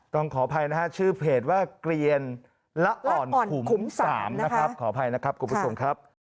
ต้องขออภัยนะคะชื่อเพจว่าเกรียญละอ่อนขุมสามขออภัยนะครับคุณผู้ชมครับ